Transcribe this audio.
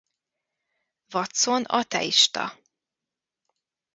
Watson ateista.